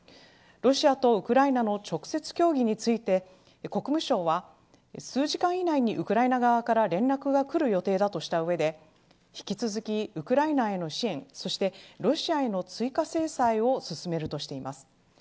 ロシアとウクライナの直接協議について国務省は数時間以内にウクライナ側から連絡がくる予定だとした上で引き続き、ウクライナへの支援そして、ロシアへの追加制裁を進めるしています。